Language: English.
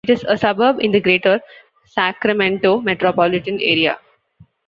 It is a suburb in the Greater Sacramento metropolitan area.